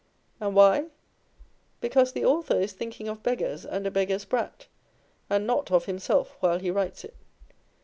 And why ? Because the author is thinking of beggars and a beggar's brat, and not of him self while he writes it.